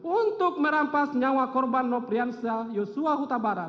untuk merampas nyawa korban nopiansa yosua kutabarat